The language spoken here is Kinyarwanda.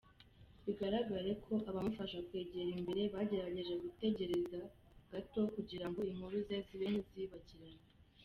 Bigaragare ko abamufasha kwegera imbere bagerageje gutegereza gato kugirango inkuru ze zibe nk’izibagirana.